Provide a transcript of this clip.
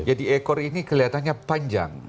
jadi ekor ini kelihatannya panjang